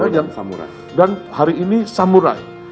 dan hari ini samurai